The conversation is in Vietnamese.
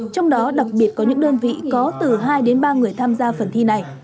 trong đó đặc biệt có những đơn vị có từ hai đến ba người tham gia phần thi này